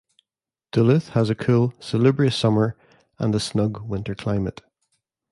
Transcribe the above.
Duluth has a cool, salubrious summer and a snug winter climate.